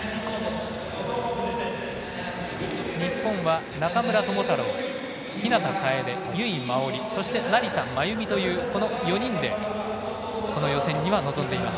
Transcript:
日本は、中村智太郎日向楓、由井真緒里そして成田真由美という４人でこの予選には臨んでいます。